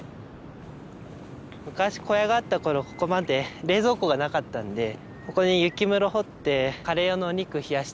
昔小屋があった頃ここまで冷蔵庫がなかったんでここに雪室掘ってカレー用のお肉冷やしたりね